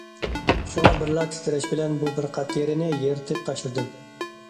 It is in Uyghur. شۇڭا بىرلا تىترەش بىلەن بۇ بىر قات تېرىنى يىرتىپ تاشلىدىم.